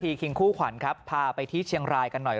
คิงคู่ขวัญครับพาไปที่เชียงรายกันหน่อย